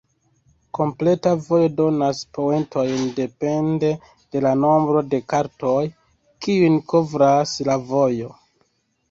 Kompleta vojo donas poentojn depende de la nombro de kartoj, kiujn kovras la vojo.